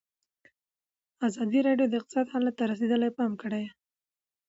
ازادي راډیو د اقتصاد حالت ته رسېدلي پام کړی.